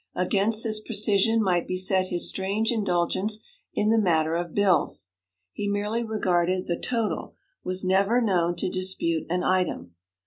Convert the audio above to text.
Against this precision might be set his strange indulgence in the matter of bills; he merely regarded the total, was never known to dispute an item.